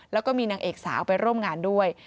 แล้วก็มีนางเอกสาวไปร่วมงานด้วย